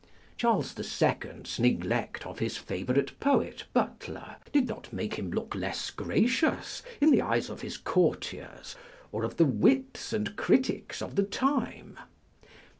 Charles the Second's neglect of his favourite poet Butler did not make him look less gracious in the eyes of his courtiers, or of the wits and critics of the time.